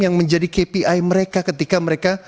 yang menjadi kpi mereka ketika mereka